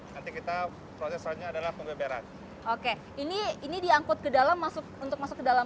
nanti kita proses selanjutnya adalah pembeberan oke ini ini diangkut ke dalam masuk untuk masuk ke dalam